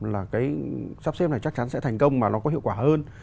là cái sắp xếp này chắc chắn sẽ thành công mà nó có hiệu quả hơn